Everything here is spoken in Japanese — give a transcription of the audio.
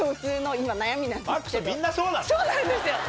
そうなんですよ！